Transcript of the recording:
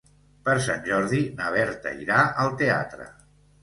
Per Sant Jordi na Berta irà al teatre.